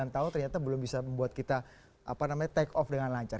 satu ratus sembilan tahun ternyata belum bisa membuat kita take off dengan lancar